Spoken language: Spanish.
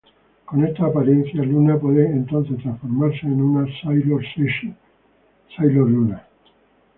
Con esta apariencia, Luna puede entonces transformarse en una Sailor Senshi, "Sailor Luna".